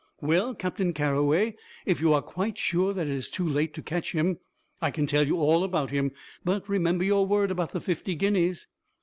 "Well, Captain Carroway, if you are quite sure that it is too late to catch him, I can tell you all about him. But remember your word about the fifty guineas."